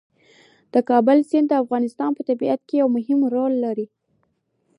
د کابل سیند د افغانستان په طبیعت کې مهم رول لري.